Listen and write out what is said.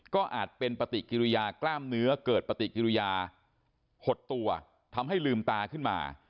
ก็อาจเป็นปฏิกิริยากล้ามเนื้อเกิดปฏิกิริยาหดตัวทำให้ลืมตาขึ้นมา